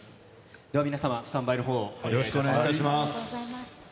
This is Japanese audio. では皆様、スタンバイのほう、よろしくお願いします。